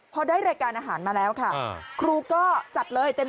เติมได้ไหม